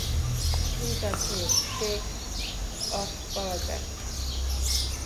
ঠিক আছে, টেক-অফ করা যাক।